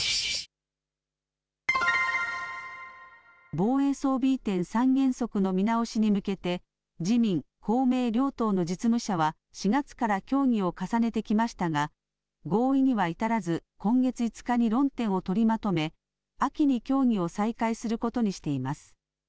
防衛装備移転三原則の見直しに向けて、自民、公明両党の実務者は、４月から協議を重ねてきましたが、合意には至らず、今月５日に論点を取りまとめ、秋に協議を再開することにしています。